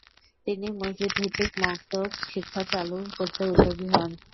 তিনি মসজিদভিত্তিক মক্তব শিক্ষা চালু করতে উদ্যোগী হন।